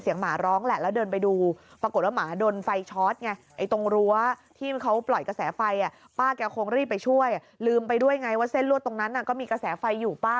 ยังไงว่าเส้นรวดตรงนั้นก็มีกระแสไฟฟ้าอยู่ป้า